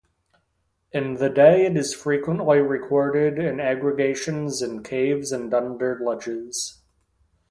In the day it is frequently recorded in aggregations in caves and under ledges.